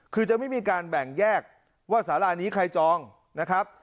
คือจะไม่มีการแบ่งแยกว่าสารานี้ใครจองนะครับ